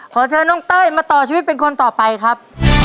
ขอเชิญน้องเต้ยมาต่อชีวิตเป็นคนต่อไปครับ